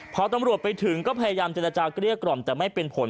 พอตำรวจไปถึงก็พยายามเจรจาเกลี้ยกล่อมแต่ไม่เป็นผล